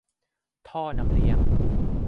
ท่อน้ำเลี้ยง !